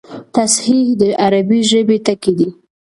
تصحیح د عربي ژبي ټکی دﺉ.